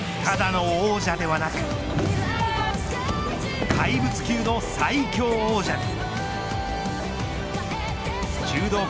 ただの王者ではなく怪物級の最強王者に。